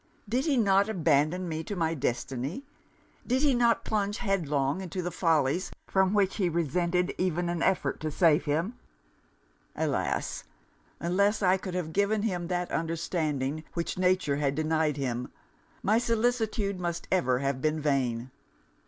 Did he not abandon me to my destiny? did he not plunge headlong into follies from which he resented even an effort to save him? Alas! unless I could have given him that understanding which nature had denied him, my solicitude must ever have been vain!